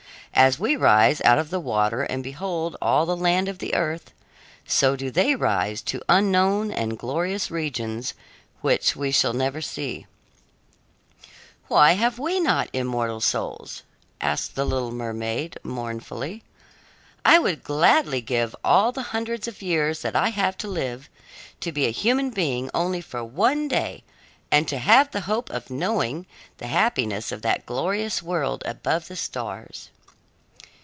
As we rise out of the water and behold all the land of the earth, so do they rise to unknown and glorious regions which we shall never see." "Why have not we immortal souls?" asked the little mermaid, mournfully. "I would gladly give all the hundreds of years that I have to live, to be a human being only for one day and to have the hope of knowing the happiness of that glorious world above the stars."